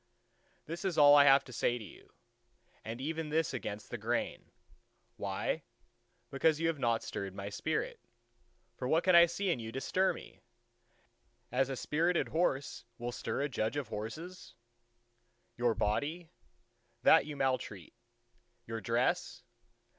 ..." "This is all I have to say to you, and even this against the grain. Why? Because you have not stirred my spirit. For what can I see in you to stir me, as a spirited horse will stir a judge of horses? Your body? That you maltreat. Your dress?